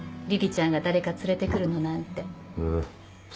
りりちゃんが誰か連れてくるのなんて。